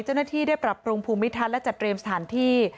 เจ้าหน้าที่ได้ปรับปรุงภูมิทัศน์และจัดเตรียมสถานที่